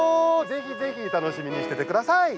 ぜひ、楽しみにしててください。